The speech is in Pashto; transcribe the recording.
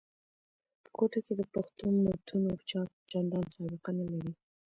په کوټه کښي د پښتو متونو چاپ چندان سابقه نه لري.